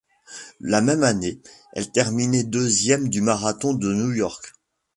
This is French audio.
La même année, elle terminait deuxième du marathon de New-York.